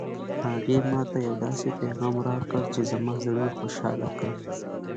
هغې ما ته یو داسې پېغام راکړ چې زما زړه یې خوشحاله کړ